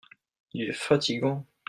Il est fatigant.